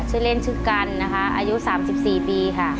ชื่อเล่นชื่อกันนะคะอายุ๓๔ปีค่ะ